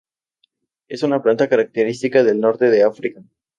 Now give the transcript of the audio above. Es una planta característica del norte de África.